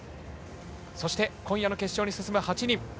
今夜の決勝に進む８人。